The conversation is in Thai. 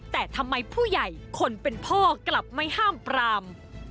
แต่ทำไมผู้ใหญ่คนเป็นพ่อกลับไม่ห้ามปราม